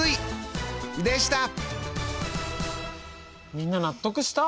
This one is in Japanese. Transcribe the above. みんな納得した？